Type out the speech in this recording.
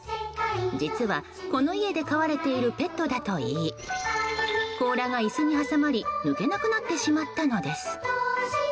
実は、この家で飼われているペットだといい甲羅が椅子に挟まり抜けなくなってしまったのです。